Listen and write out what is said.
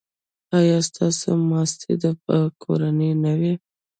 ایا ستاسو ماستې به کورنۍ نه وي؟